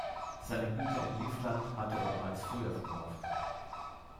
Seine Güter in Livland hatte er bereits früher verkauft.